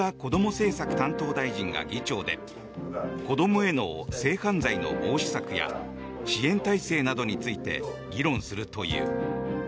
政策担当大臣が議長で子どもへの性犯罪の防止策や支援体制などについて議論するという。